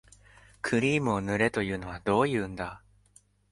クリームを塗れというのはどういうんだ